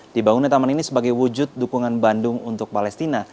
dibangunnya taman ini sebagai wujud dukungan bandung untuk palestina